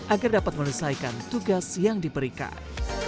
agar dapat menyelesaikan tugas yang diberikan